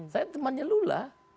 saya temannya lula